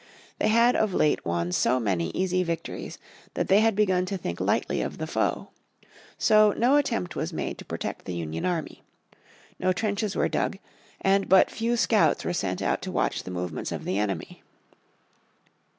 They had of late won so many easy victories that they had begun to think lightly of the foe. So no attempt was made to protect the Union army. No trenches were dug, and but few scouts were sent out to watch the movements of the enemy.